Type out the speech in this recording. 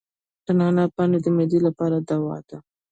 د نعناع پاڼې د معدې لپاره دوا ده.